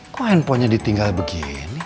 kok handphonenya ditinggal begini